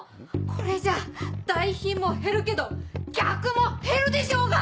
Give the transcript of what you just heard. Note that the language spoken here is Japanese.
これじゃ代品も減るけど客も減るでしょうが！